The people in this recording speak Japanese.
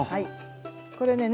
これね